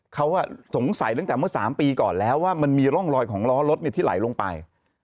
เขาสงสัยตั้งแต่เมื่อ๓ปีก่อนแล้วว่ามันมีร่องรอยของล้อรถที่ไหลลงไป